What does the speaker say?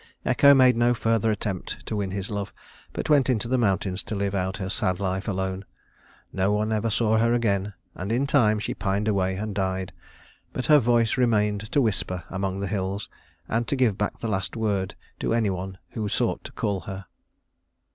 Echo made no further attempt to win his love, but went into the mountains to live out her sad life alone. No one ever saw her again, and in time she pined away and died; but her voice remained to whisper among the hills, and to give back the last word to any one who sought to call her.